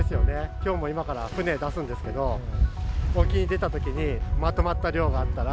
きょうも今から船出すんですけど、沖に出たときに、まとまった量があったら、